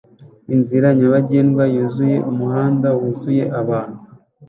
Inzira nyabagendwa yuzuye umuhanda wuzuye abantu